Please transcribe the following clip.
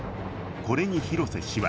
これに廣瀬氏は